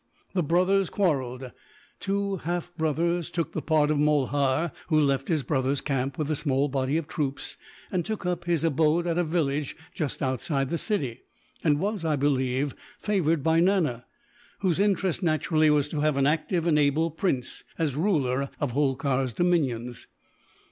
The brothers quarrelled: two half brothers took the part of Mulhar, who left his brother's camp, with a small body of troops, and took up his abode at a village just outside the city and was, I believe, favoured by Nana, whose interest naturally was to have an active and able prince, as ruler of Holkar's dominions.